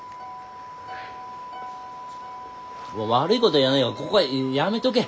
悪いこた言わねえがここはやめとけ。